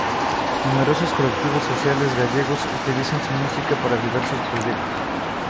Numerosos colectivos sociales gallegos utilizan su música para diversos proyectos.